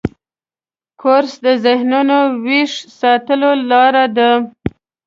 کورس د ذهنو ویښ ساتلو لاره ده.